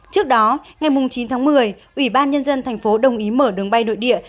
trước đó ngày chín tháng một mươi ủy ban nhân dân thành phố đồng ý mở đường bay nội địa